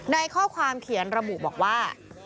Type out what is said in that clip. ในข้อความเขียนระบุบอกว่า